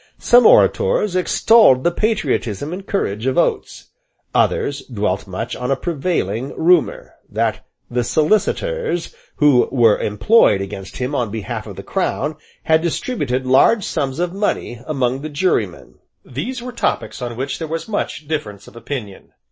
Some orators extolled the patriotism and courage of Oates: others dwelt much on a prevailing rumour, that the solicitors who were employed against him on behalf of the Crown had distributed large sums of money among the jurymen. These were topics on which there was much difference of opinion.